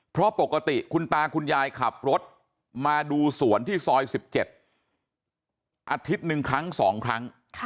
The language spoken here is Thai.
เพราะปกติคุณตาคุณยายขับรถมาดูสวนที่ซอย๑๗อาทิตย์หนึ่งครั้ง๒ครั้ง